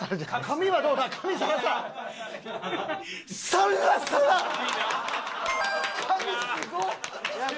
髪すごっ！